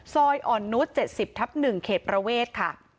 ซอยอ่อนนุษย์๗๐ทับ๑เขตประเวทค่ะ